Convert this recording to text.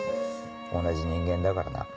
同じ人間だからな。